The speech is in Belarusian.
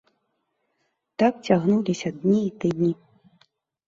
Так цягнуліся дні і тыдні.